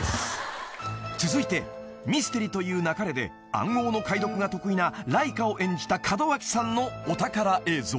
［続いて『ミステリと言う勿れ』で暗号の解読が得意なライカを演じた門脇さんのお宝映像］